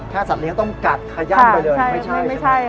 แก้สัตว์เลี้ยงต้องกัดขยั่มไปเร็วใช่ปะ